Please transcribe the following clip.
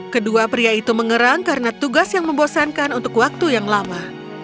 kedua pria itu mengerang karena tugas yang membosankan untuk waktu yang lama